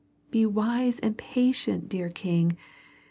"Be wise and patient, dear king.